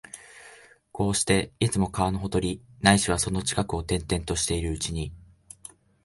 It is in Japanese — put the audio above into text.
こうして、いつも川のほとり、ないしはその近くを転々としているうちに、